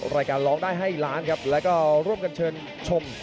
ร้องได้ให้ล้านครับแล้วก็ร่วมกันเชิญชม